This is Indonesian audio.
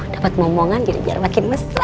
dapet ngomongan jadi makin mesra